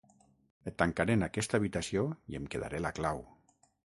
Et tancaré en aquesta habitació i em quedaré la clau.